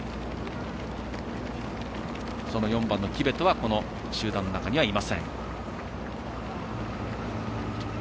その４番のキベトはこの集団の中にはいません。